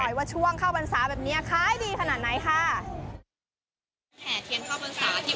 เขาบอกแม่น้ำมูลเป็นแม่น้ำมูลเป็นแม่น้ำที่ไหลค่อนข้างเชี่ยวเพราะฉะนั้นปลาเนื้อมันจะแน่นตัวจะใย